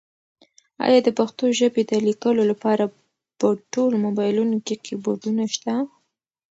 ایا د پښتو ژبې د لیکلو لپاره په ټولو مبایلونو کې کیبورډونه شته؟